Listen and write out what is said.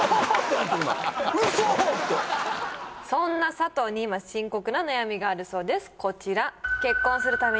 そんな佐藤に今深刻な悩みがあるそうです